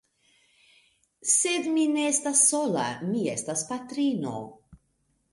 Sed mi ne estas sola, mi estas patrino!